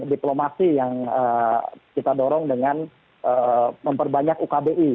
diplomasi yang kita dorong dengan memperbanyak ukbi